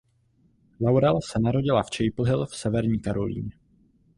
Laurel se narodila v Chapel Hill v Severní Karolíně.